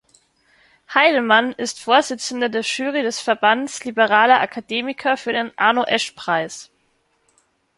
Heydemann ist Vorsitzender der Jury des Verbandes Liberaler Akademiker für den Arno-Esch-Preis.